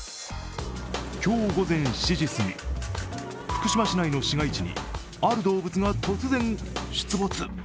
今日午前７時過ぎ、福島市内の市街地にある動物が突然、出没。